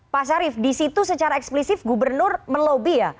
pak syarif di situ secara eksplisif gubernur melobi ya